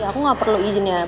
aku gak perlu izinnya